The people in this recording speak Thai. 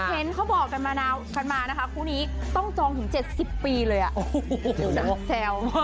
เห็นเขาบอกกันมากันมานะคะคู่นี้ต้องจองถึง๗๐ปีเลย๑๖แซว